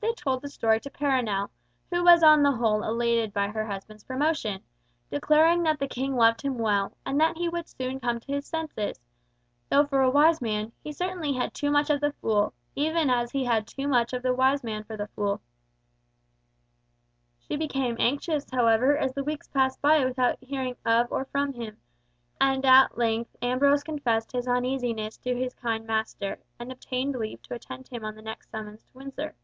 They told the story to Perronel, who was on the whole elated by her husband's promotion, declaring that the King loved him well, and that he would soon come to his senses, though for a wise man, he certainly had too much of the fool, even as he had too much of the wise man for the fool. She became anxious, however, as the weeks passed by without hearing of or from him, and at length Ambrose confessed his uneasiness to his kind master, and obtained leave to attend him on the next summons to Windsor.